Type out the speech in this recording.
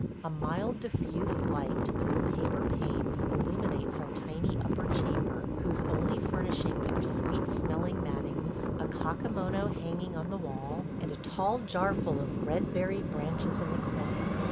A mild diffused light through the paper panes illuminates our tiny upper chamber, whose only furnishings are sweet smelling mattings, a kakamono hanging on the wall, and a tall jar full of red berried branches in the corner.